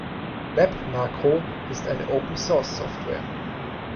WebMacro ist eine Open-Source-Software.